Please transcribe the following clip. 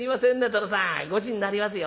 殿さんごちになりますよ。